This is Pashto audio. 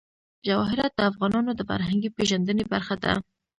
جواهرات د افغانانو د فرهنګي پیژندنې برخه ده.